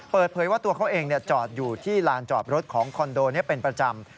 เปิดเผยว่าตัวเขาเองจอดอยู่ที่ลานจอดรถของคอนโดนี้เป็นประจำ